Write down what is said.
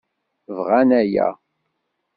Bɣan aya.